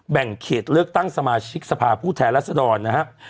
แบ่งเขตเลือกตั้งสมาชิกสภาพผู้แทนรัศดรนะครับ